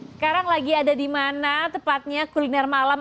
sekarang lagi ada di mana tepatnya kuliner malam